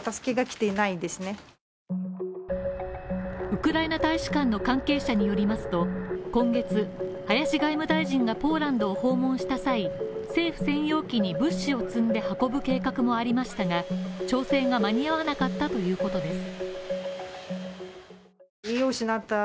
ウクライナ大使館の関係者によりますと、今月林外務大臣がポーランドを訪問した際、政府専用機に物資を積んで運ぶ計画もありましたが調整が間に合わなかったということです。